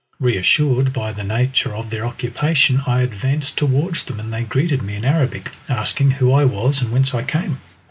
Reassured by the nature of their occupation, I advanced towards them and they greeted me in Arabic, asking who I was and whence I came.